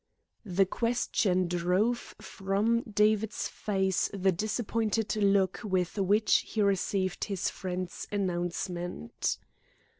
The question drove from David's face the disappointed look with which he received his friend's announcement.